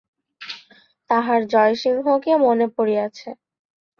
তাঁহার জয়সিংহকে মনে পড়িয়াছে।